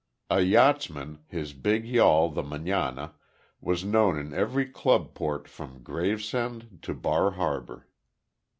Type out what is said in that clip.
A yachtsman, his big yawl, the "Manana," was known in every club port from Gravesend to Bar Harbor.